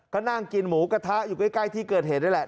ก็นั่งกินหมูกระทะอยู่ใกล้ที่เกิดเหตุนี่แหละ